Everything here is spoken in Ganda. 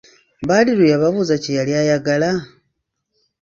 Badru yababuuza kye yali ayagala?